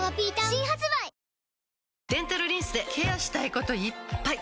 新発売デンタルリンスでケアしたいこといっぱい！